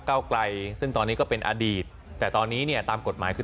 เก้าไกลซึ่งตอนนี้ก็เป็นอดีตแต่ตอนนี้เนี่ยตามกฎหมายคือ